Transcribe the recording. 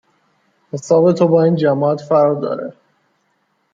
حساب تو با این جماعت فرق داره